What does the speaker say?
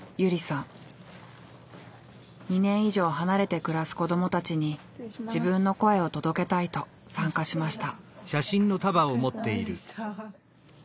２年以上離れて暮らす子どもたちに自分の声を届けたいと参加しました。